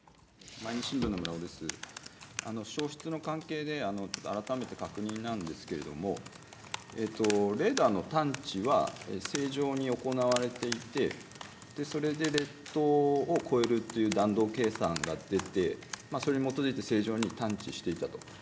焼失の関係で改めて確認なんですけれども、レーダーの探知は正常に行われていて、それで列島を越えるという弾道計算が出て、それに基づいて正常に探知していたと。